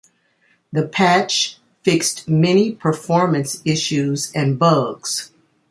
The patch fixed many performance issues and bugs.